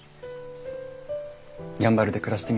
やんばるで暮らしてみない？